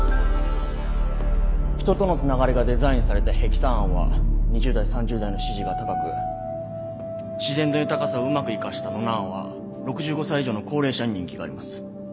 人とのつながりがデザインされたヘキサ案は２０代３０代の支持が高く自然の豊かさをうまく生かしたノナ案は６５才以上の高齢者に人気があります。